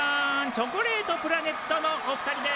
チョコレートプラネットのお二人です。